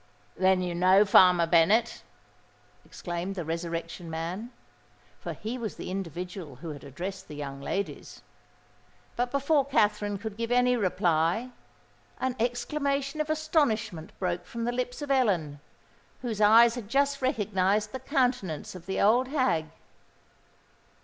"Then you know Farmer Bennet?" exclaimed the Resurrection Man—for he was the individual who had addressed the young ladies. But before Katherine could give any reply, an exclamation of astonishment broke from the lips of Ellen, whose eyes had just recognised the countenance of the old hag.